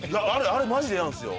あれマジでやるんすよ